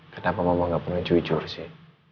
kenapa mama gak pernah jujur sih